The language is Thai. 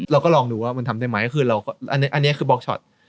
เราก็ลองดูว่ามันทำได้ไหมคือเราก็อันนี้คือบล็อกช็อต